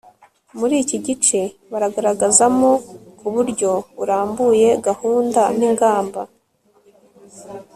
muri iki gice baragaragazamo, ku buryo burambuye, gahunda n'ingamba